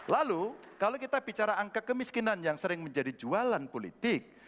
lalu kalau kita bicara angka kemiskinan yang sering menjadi jualan politik